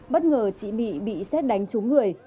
bất ngờ chị mỹ bị xét đánh trúng người